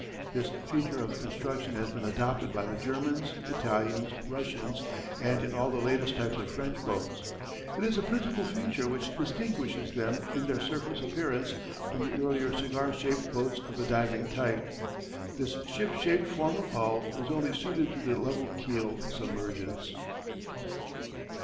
This feature of construction has been adopted by the Germans, Italians, Russians, and in all the latest types of French boats. It is the principal feature which distinguishes them in their surface appearance from the earlier cigar shaped boats of the diving type. This ship shaped form of hull is only suited to the level keel submergence.